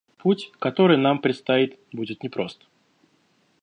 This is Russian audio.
Путь, который нам предстоит, будет непрост.